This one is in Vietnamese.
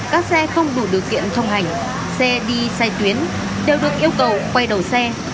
các xe không đủ điều kiện thông hành xe đi sai tuyến đều được yêu cầu quay đầu xe